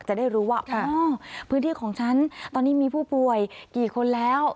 จะได้รู้ว่าอ๋อพื้นที่ของฉันตอนนี้มีผู้ป่วยกี่คนแล้ว